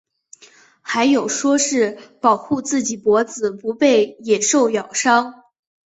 还有说是保护自己脖子不被野兽咬伤。